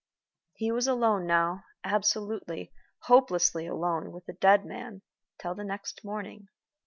He was alone now absolutely, hopelessly alone with the dead man till the next morning.